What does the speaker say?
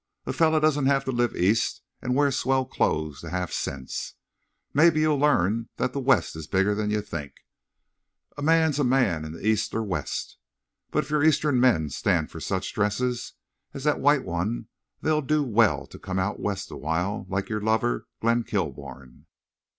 A fellar doesn't have to live East an' wear swell clothes to have sense. Mebbe you'll learn thet the West is bigger'n you think. A man's a man East or West. But if your Eastern men stand for such dresses as thet white one they'd do well to come out West awhile, like your lover, Glenn Kilbourne.